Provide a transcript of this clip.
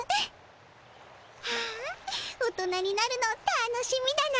あ大人になるの楽しみだな♥